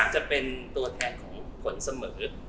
จะเป็นตัวแทนของผลเสมอ